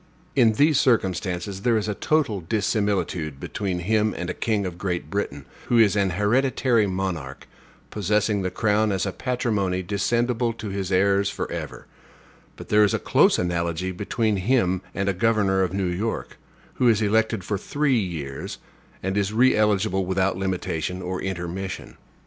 In these circumstances there is a total dissimilitude between him and a king of Great Britain, who is an hereditary monarch, possessing the crown as a patrimony descendible to his heirs forever; but there is a close analogy between him and a governor of New York, who is elected for three years, and is re eligible without limitation or intermission.